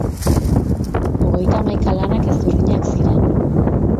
Hogeita hamaika lanak ezberdinak ziren.